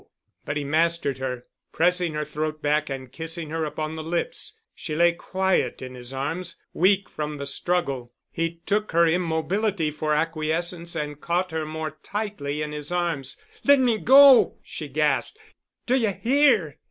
But he mastered her, pressing her throat back and kissing her upon the lips. She lay quiet in his arms, weak from the struggle. He took her immobility for acquiescence and caught her more tightly in his arms. "Let me go," she gasped. "Do you hear?"